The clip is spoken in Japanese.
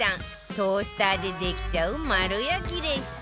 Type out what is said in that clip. トースターでできちゃう丸焼きレシピ